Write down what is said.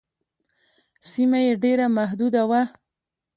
سیمه یې ډېره محدوده وه.